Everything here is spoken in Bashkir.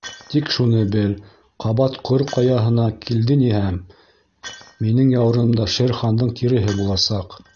Тик шуны бел: ҡабат Ҡор Ҡаяһына килдениһәм, минең яурынымда Шер Хандың тиреһе буласаҡ.